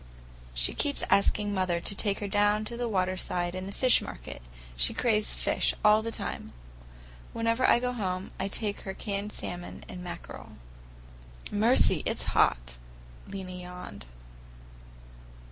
She keeps asking mother to take her down to the waterside and the fish market. She craves fish all the time. Whenever I go home I take her canned salmon and mackerel." "Mercy, it's hot!" Lena yawned.